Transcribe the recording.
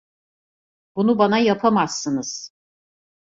Bunu bana yapamazsınız.